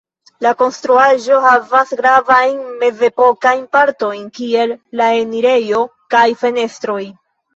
La konstruaĵo havas gravajn mezepokajn partojn, kiel la enirejo kaj fenestroj.